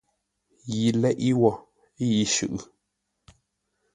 Yi leʼe wo yi shʉʼʉ.